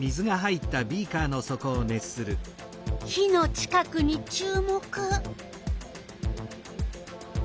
火の近くに注目。